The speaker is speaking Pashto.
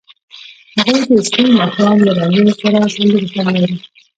هغوی د سپین ماښام له رنګونو سره سندرې هم ویلې.